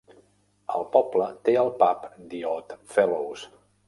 El poble té el pub The Oddfellows.